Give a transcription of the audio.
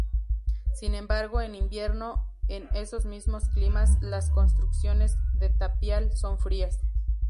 Sin embargo en invierno, en esos mismos climas, las construcciones de tapial son frías.